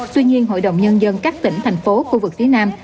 tuy nhiên hội đồng nhân dân các tỉnh thành phố khu vực phía nam